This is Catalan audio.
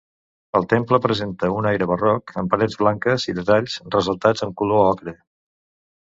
El temple presenta un aire barroc, amb parets blanques i detalls ressaltats en color ocre.